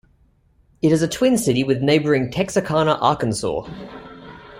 It is a twin city with neighboring Texarkana, Arkansas.